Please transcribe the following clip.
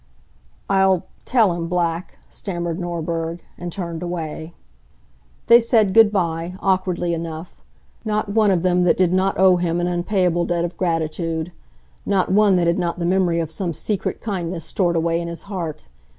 "I'll tell him, Black," stammered Norberg, and turned away. They said good by, awkwardly enough. Not one of them that did not owe him an unpayable debt of gratitude. Not one that had not the memory of some secret kindness stored away in his heart.